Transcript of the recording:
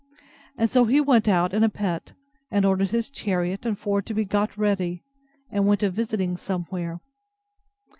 And so he went out in a pet, and ordered his chariot and four to be got ready, and went a visiting somewhere.